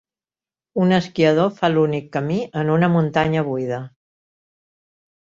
Un esquiador fa l'únic camí en una muntanya buida.